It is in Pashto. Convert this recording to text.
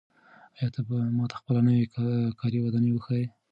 آیا ته به ماته خپله نوې کاري ودانۍ وښایې؟